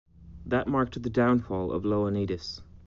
That marked the downfall of Ioannidis.